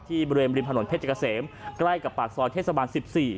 ที่เบรมริมถนนเพชรกะเสมใกล้กับปากซ้อนเทศบาล๑๔